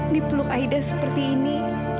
di peluk aida seperti ini